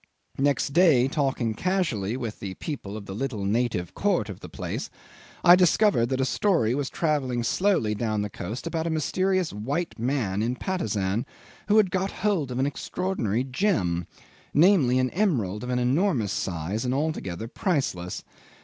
Next day, talking casually with the people of the little native court of the place, I discovered that a story was travelling slowly down the coast about a mysterious white man in Patusan who had got hold of an extraordinary gem namely, an emerald of an enormous size, and altogether priceless.